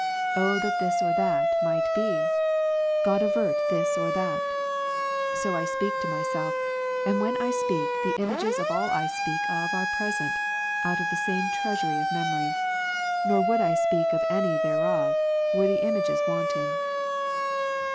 " O that this or that might be !" "God avert this or that !" So speak I to myself: and when I speak, the images of all . I speak of are present, out of the same treasury of memory ; nor would I speak of any thereof, were the images wanting.